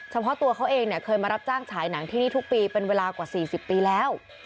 เฉพาะตัวเขาเองเนี่ยเคยมารับจ้างฉายหนังที่นี่ทุกปีเป็นเวลากว่า๔๐ปีแล้ว